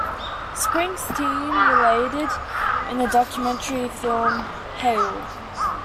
Springsteen related in the documentary film Hail!